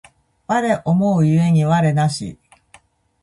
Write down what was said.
我思う故に我なし